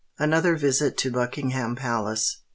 ANOTHER VISIT TO BUCKINGHAM PALACE.